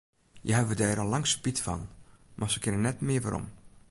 Hja hawwe dêr al lang spyt fan, mar se kinne net mear werom.